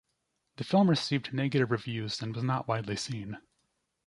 The film received negative reviews and was not widely seen.